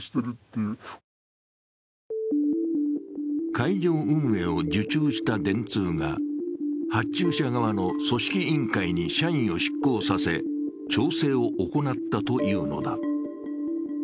会場運営を受注した電通が、発注者側の組織委員会に社員を出向させ調整を行ったというのだ。